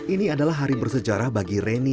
ini adalah hari bersejarah bagi reni